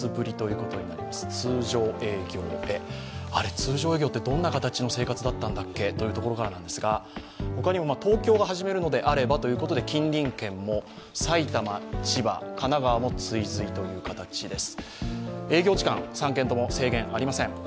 通常営業ってどんな形の生活だったっけ？というところからですが、他にも東京が始めるのであればということで近隣県も埼玉、千葉、神奈川も追随という形です。